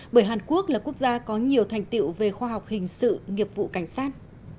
bởi hàn quốc là quốc gia có nhiều thành tiệu về khoa học hình sự nghiệp vụ cảnh sát